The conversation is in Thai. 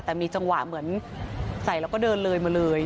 แต่มีจังหวะเหมือนใส่แล้วก็เดินเลยมาเลย